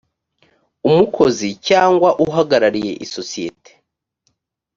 umukozi cyangwa uhagarariye isosiyete